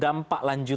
dan dampak berlangsung